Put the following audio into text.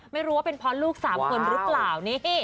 ไม่รู้ว่าเป็นเพราะลูก๓คนหรือเปล่านี่